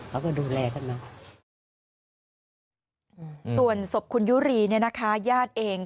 เขาก็ดูแลกันเนอะส่วนศพคุณยุรีเนี่ยนะคะญาติเอง